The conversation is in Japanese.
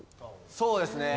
そうですね。